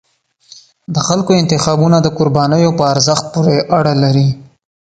د خلکو انتخابونه د قربانیو په ارزښت پورې اړه لري